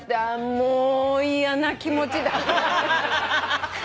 もう嫌な気持ちだった。